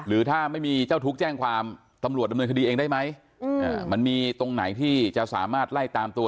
ถ้าไม่มีเจ้าทุกข์แจ้งความตำรวจดำเนินคดีเองได้ไหมมันมีตรงไหนที่จะสามารถไล่ตามตัว